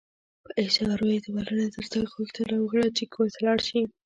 په اشارو يې د مننې ترڅنګ غوښتنه وکړه چې کور ته لاړ شي.